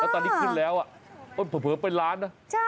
ตอนนี้ขึ้นแล้วเผลอเป็นล้านนะ